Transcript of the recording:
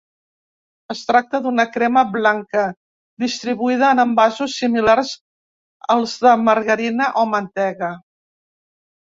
Es tracta d'una crema blanca, distribuïda en envasos similars als de margarina o mantega.